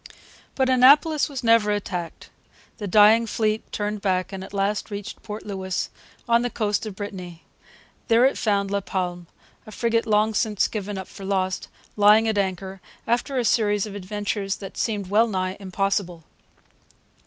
But Annapolis was never attacked. The dying fleet turned back and at last reached Port Louis, on the coast of Brittany. There it found La Palme, a frigate long since given up for lost, lying at anchor, after a series of adventures that seem wellnigh impossible.